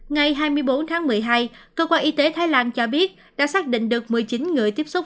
ngày hai mươi bốn tháng một mươi hai cơ quan y tế thái lan cho biết đã xác định được một mươi chín người tiếp xúc